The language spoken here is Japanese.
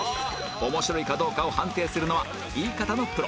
面白いかどうかを判定するのは言い方のプロ